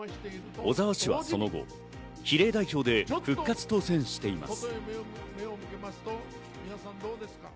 小沢氏はその後、比例代表で復活当選しています。